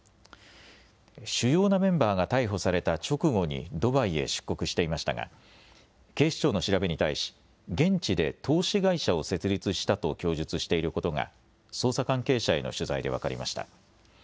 主要なメンバーが逮捕された直後にドバイへ出国していましたが警視庁の調べに対し現地で投資会社を設立したと供述してしていることが捜査関係者への取材で分かりました。